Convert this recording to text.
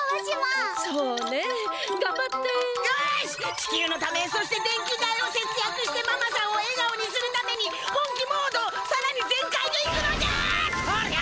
地球のためそして電気代をせつやくしてママさんを笑顔にするために本気モードさらに全開でいくのじゃそりゃ！